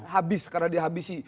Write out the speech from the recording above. habis karena dia habisi